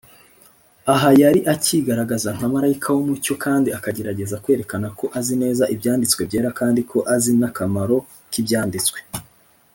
Aha yari acyigaragaza nka marayika w’umucyo, kandi akagerageza kwerekana ko azi neza ibyanditswe byera, kandi ko azi n’akamaro k’ibyanditswe.